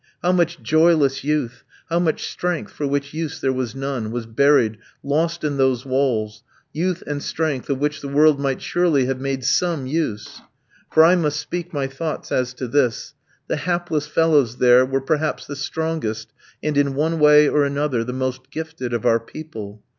How much joyless youth, how much strength for which use there was none, was buried, lost in those walls! youth and strength of which the world might surely have made some use. For I must speak my thoughts as to this: the hapless fellows there were perhaps the strongest, and, in one way or another, the most gifted of our people.